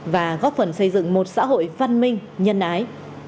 và góp phần xây dựng một xã hội văn minh nhân ái